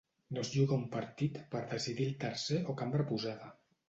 No es juga un partit per decidir el tercer o cambra posada.